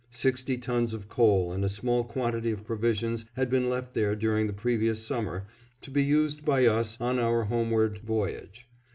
Sixty tons of coal and a small quantity of provisions had been left there during the previous summer, to be used by us on our homeward voyage.